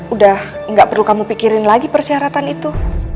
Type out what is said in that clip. udah gak perlu kamu pikirin lagi persyaratan itu